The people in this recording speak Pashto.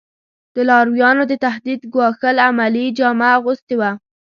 د لارویانو د تهدید ګواښل عملي جامه اغوستې وه.